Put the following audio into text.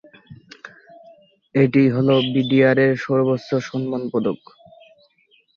এটিই হলো বিডিআর এর সর্বোচ্চ সম্মান পদক।